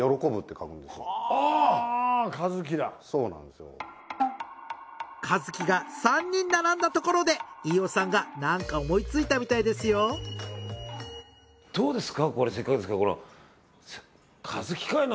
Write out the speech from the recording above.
かずきが３人並んだところで飯尾さんがなんか思いついたみたいですよどうですか？